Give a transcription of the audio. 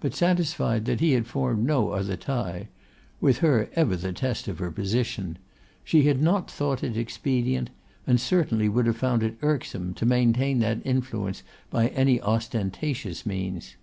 But satisfied that he had formed no other tie, with her ever the test of her position, she had not thought it expedient, and certainly would have found it irksome, to maintain that influence by any ostentatious means.